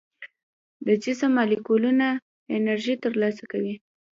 د جسم مالیکولونه انرژي تر لاسه کوي.